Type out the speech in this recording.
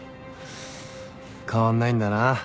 変わんないんだな。